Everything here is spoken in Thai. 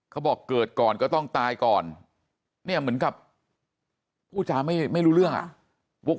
เขาบอกเกิดก่อนก็ต้องตายก่อนเนี่ยเหมือนกับพูดจาไม่รู้เรื่องอ่ะ